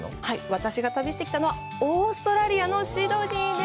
私が旅してきたのは、オーストラリアのシドニーです。